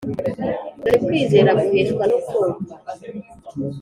Dore kwizera guheshwa no kumva,